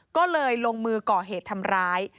ก็เลยลงมือก่อเหตุทำร้าย